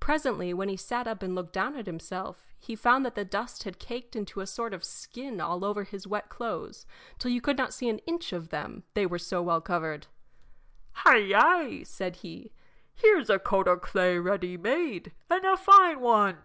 Presently, when he sat up and looked down at himself, he found that the dust had caked into a sort of skin over his wet clothes till you could not see an inch of them, they were so well covered. "Hi, yi!" said he, "here's a coat o' clay ready made, and a fine one.